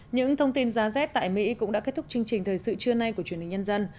những thông tin giá z tại mỹ cũng đã kết thúc chương trình thời sự trưa nay của chuyển đình nhân dân